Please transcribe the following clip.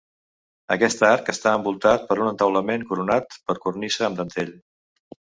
Aquest arc està envoltat per un entaulament coronat per cornisa amb dentell.